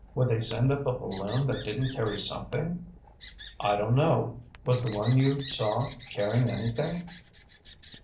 Would they send up a balloon that didn't carry something?" "I don't know. Was the one you saw carrying anything?"